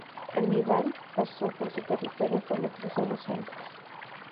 Aníbal pasó por su territorio cuando cruzó los Alpes.